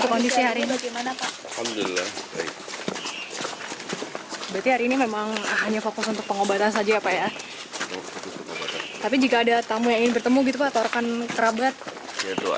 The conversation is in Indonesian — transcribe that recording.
tapi jika ada tamu yang ingin bertemu gitu pak atau rekan kerabat